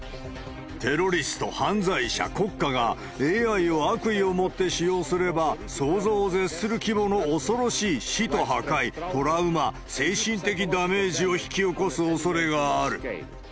テロリスト、犯罪者、国家がＡＩを悪意を持って使用すれば、想像を絶する規模の恐ろしい死と破壊、トラウマ、精神的ダメージを引き起こすおそれがある。